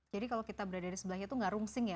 jadi kalau kita berada di sebelahnya tuh gak rungsing ya